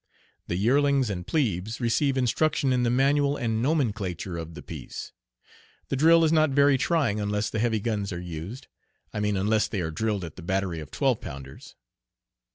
The yearlings and plebes receive instruction in the manual and nomenclature of the piece. The drill is not very trying unless the heavy guns are used I mean unless they are drilled at the battery of twelve pounders.